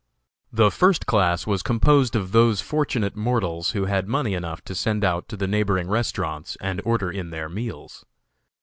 The first class was composed of those fortunate mortals who had money enough to send out to the neighboring restaurants and order in their meals.